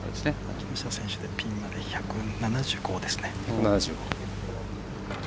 木下選手でピンまで１７５ですね。